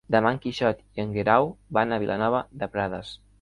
Demà en Quixot i en Guerau van a Vilanova de Prades.